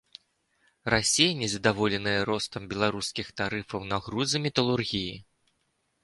Расія незадаволеная ростам беларускіх тарыфаў на грузы металургіі.